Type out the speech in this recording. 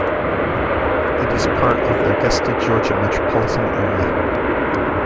It is part of the Augusta, Georgia, metropolitan area.